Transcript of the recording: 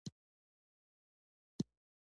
په افغانستان کې د آمو سیند لپاره اقدامات کېږي.